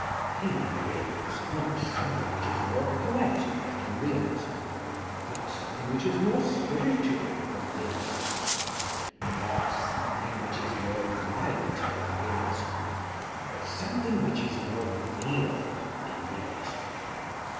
He brings, not something which is more poetic than Maeterlinck realism, not something which is more spir itual than realism, not something which is more right than realism, but something which is more real than realism.